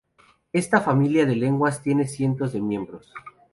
Esta familia de lenguas tiene cientos de miembros.